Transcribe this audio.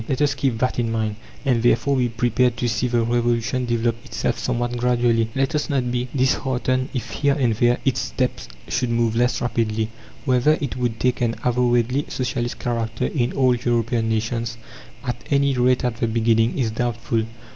Let us keep that in mind, and therefore be prepared to see the Revolution develop itself somewhat gradually. Let us not be disheartened if here and there its steps should move less rapidly. Whether it would take an avowedly socialist character in all European nations, at any rate at the beginning, is doubtful.